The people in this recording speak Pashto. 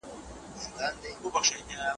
ما دی درکړی خپل زړه تاته امانت شېرينې